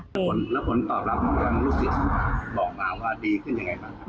แล้วผลตอบรับกับลูกศิษย์บอกมาว่าดีขึ้นอย่างไรบ้าง